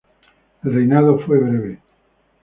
El reinado fue breve.